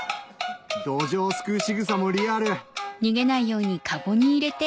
どうじょうをすくうしぐさもリアル